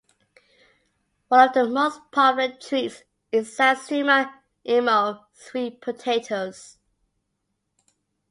One of the most popular treats is satsuma imo, sweet potatoes.